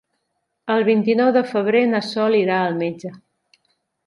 El vint-i-nou de febrer na Sol irà al metge.